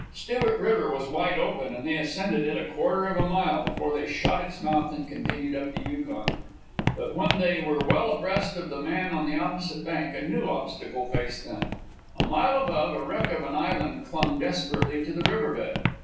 Stewart River was wide open, and they ascended it a quarter of a mile before they shot its mouth and continued up the Yukon. But when they were well abreast of the man on the opposite bank a new obstacle faced them. A mile above, a wreck of an island clung desperately to the river bed.